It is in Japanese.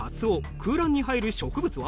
空欄に入る植物は？